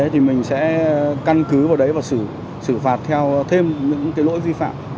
thì mình sẽ căn cứ vào đấy và xử phạt theo thêm những cái lỗi vi phạm